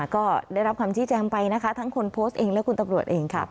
ก็ได้รับคำชี้แจงไปนะคะทั้งคนโพสต์เองและคุณตำรวจเองค่ะ